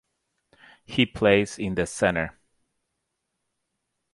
He plays in the centre.